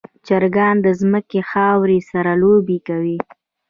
چرګان د ځمکې خاورې سره لوبې کوي.